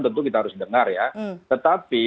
tentu kita harus dengar ya tetapi